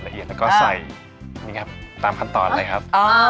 แล้วก็ใส่นี่ครับตามขั้นตอนเลยครับ